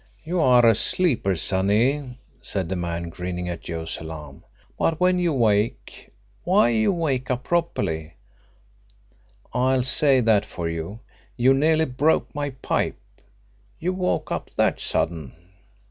"You are a sound sleeper, sonny," said the man, grinning at Joe's alarm. "But when you wake why you wake up properly; I'll say that for you. You nearly broke my pipe, you woke up that sudden."